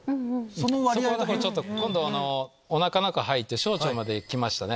そこのところちょっと今度おなかの中に入って小腸まで来ましたね。